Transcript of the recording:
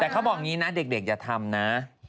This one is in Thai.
แต่เขาบอกอย่างนี้นะเด็กอย่าทำนะ